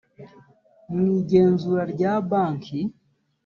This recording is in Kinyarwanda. mu igenzura rya banki